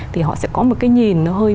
thì họ sẽ có một cái nhìn